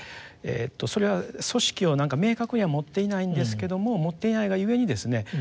それは組織を明確には持っていないんですけども持っていないがゆえにですね